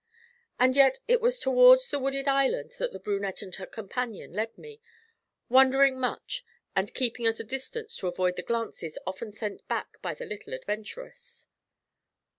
And yet it was towards the Wooded Island that the brunette and her companion led me, wondering much, and keeping at a distance to avoid the glances often sent back by the little adventuress.